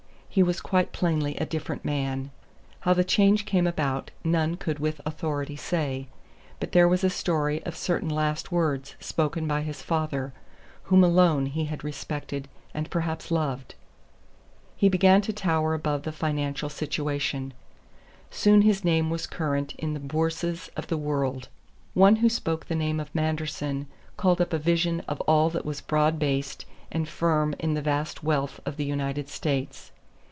He was quite plainly a different man. How the change came about none could with authority say, but there was a story of certain last words spoken by his father, whom alone he had respected and perhaps loved. He began to tower above the financial situation. Soon his name was current in the bourses of the world. One who spoke the name of Manderson called up a vision of all that was broad based and firm in the vast wealth of the United States.